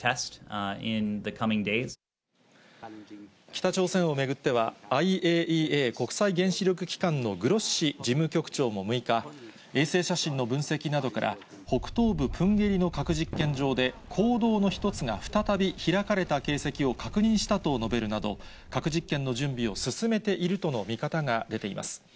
北朝鮮を巡っては、ＩＡＥＡ・国際原子力機関のグロッシ事務局長も６日、衛星写真の分析などから、北東部プンゲリの核実験場で、坑道の１つが再び開かれた形跡を確認したと述べるなど、核実験の準備を進めているとの見方が出ています。